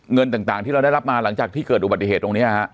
เงินต่างที่เราได้รับมาหลังจากที่เกิดอุบัติเหตุตรงนี้